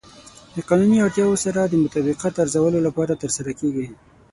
د قانوني اړتیاوو سره د مطابقت ارزولو لپاره ترسره کیږي.